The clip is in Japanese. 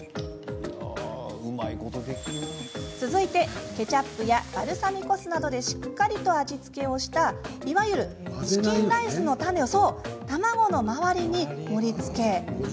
続いてケチャップやバルサミコ酢などでしっかりと味付けをしたいわゆるチキンライスのタネを卵の周りに盛りつけます。